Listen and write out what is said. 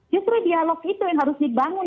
justru dialog itu yang harus dibangun